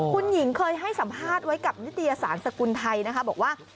คุณหญิงเคยให้สัมภาษณ์ไว้กับนิตยสารสกุลไทยนะคะบอกว่า